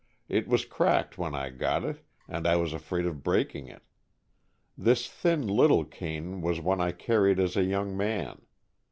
It was cracked when I got it, and I was afraid of breaking it. This thin little cane was one I carried as a young man.